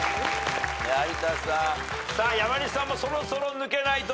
山西さんもそろそろ抜けないと。